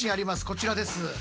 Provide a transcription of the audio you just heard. こちらです。